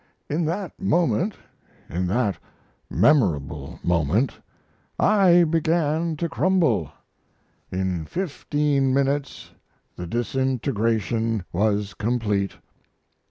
In that moment in that memorable moment, I began to crumble. In fifteen minutes the disintegration was complete.